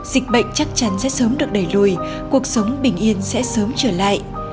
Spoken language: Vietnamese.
dịch bệnh chắc chắn sẽ sớm được đẩy lùi cuộc sống bình yên sẽ sớm trở lại